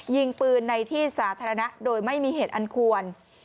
ยิงปืนในที่สาธารณะโดยไม่มีเหตุอันควร